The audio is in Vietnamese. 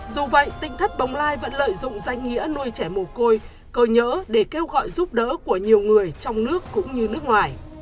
dù vậy tinh thất bồng lai vẫn lợi dụng danh nghĩa nuôi trẻ mồ côi cơ nhỡ để kêu gọi giúp đỡ của nhiều người trong nước cũng như nước ngoài